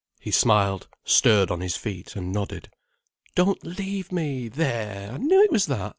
He smiled, stirred on his feet, and nodded. "Don't leave me! There, I knew it was that.